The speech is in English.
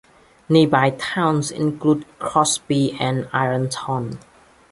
Nearby towns include Crosby and Ironton.